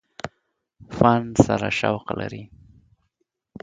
فن سره شوق لري ۔